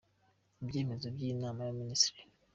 Ibyemezo by’Inama y’Abaminisitiri